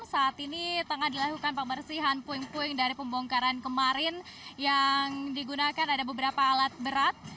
saat ini tengah dilakukan pembersihan puing puing dari pembongkaran kemarin yang digunakan ada beberapa alat berat